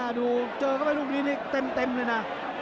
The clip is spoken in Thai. หลุดหจดอยู่เจอก็เป็นลูกนี้เต็มเลยนะ